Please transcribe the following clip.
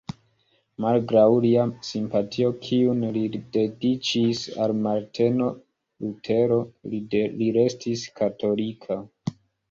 Malgraŭ lia simpatio kiun li dediĉis al Marteno Lutero, li restis katolika.